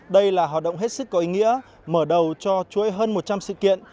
đây là hoạt động hết sức có ý nghĩa mở đầu cho chuỗi hơn một trăm linh sự kiện